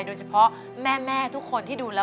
โดยเฉพาะแม่ทุกคนที่ดูแล้ว